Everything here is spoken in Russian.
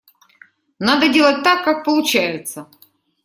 Надо делать так, как получается.